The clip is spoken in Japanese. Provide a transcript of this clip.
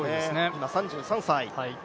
今３３歳。